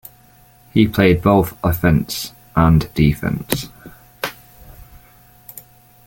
He played both offense and defense.